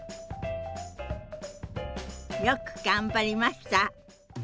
よく頑張りました！